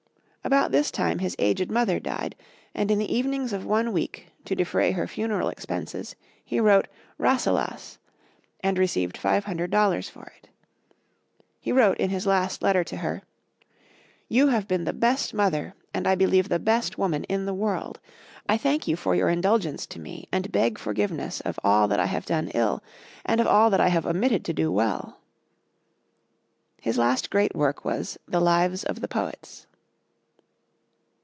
About this time his aged mother died, and in the evenings of one week, to defray her funeral expenses, he wrote "Rasselas," and received five hundred dollars for it. He wrote in his last letter to her, "You have been the best mother, and I believe the best woman, in the world. I thank you for your indulgence to me, and beg forgiveness of all that I have done ill, and of all that I have omitted to do well." His last great work was "The Lives of the Poets."